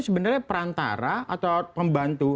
sebenarnya perantara atau pembantu